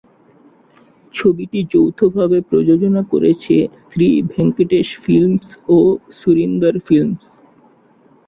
ছবিটি যৌথভাবে প্রযোজনা করেছে শ্রী ভেঙ্কটেশ ফিল্মস ও সুরিন্দর ফিল্মস।